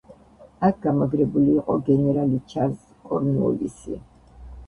აქ გამაგრებული იყო გენერალი ჩარლზ კორნუოლისი.